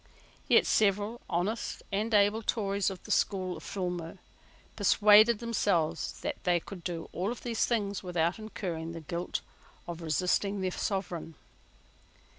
Yet several honest and able Tories of the school of Filmer persuaded themselves that they could do all these things without incurring the guilt of resisting their Sovereign.